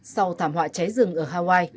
sau thảm họa cháy rừng ở hawaii